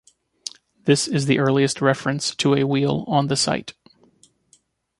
This is the earliest reference to a wheel on the site.